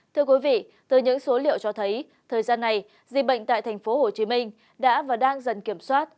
thưa quý vị từ những số liệu cho thấy thời gian này dịch bệnh tại tp hcm đã và đang dần kiểm soát